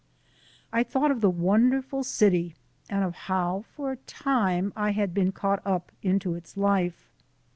I thought of the Wonderful City, and of how for a time I had been caught up into its life.